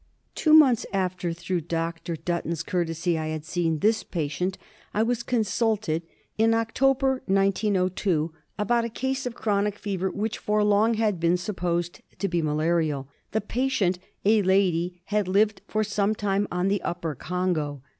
Two months after, through Dr. Button's courtesy, I had seen this patient I was consulted in October, igo2, about a case of chronic fever which for long had been supposed to be malarial. The patient, a lady, had lived for some time on the Upper Congo.